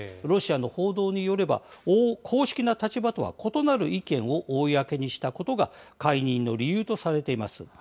ロシアの報道によれば、公式な立場とは異なる意見を公にしたことが、解任の理由とされています。